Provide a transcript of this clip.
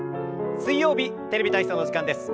水曜日「テレビ体操」の時間です。